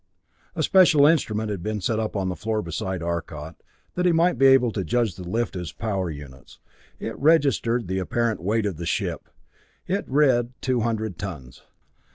A special instrument had been set up on the floor beside Arcot, that he might be able to judge the lift of his power units; it registered the apparent weight of the ship. It had read two hundred tons.